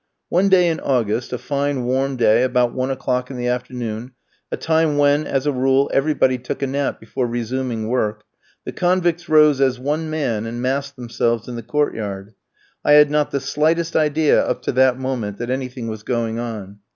One day in August, a fine warm day, about one o'clock in the afternoon, a time when, as a rule, everybody took a nap before resuming work, the convicts rose as one man and massed themselves in the court yard. I had not the slightest idea, up to that moment, that anything was going on.